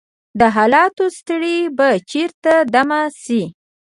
د حالاتو ستړی به چیرته دمه شي؟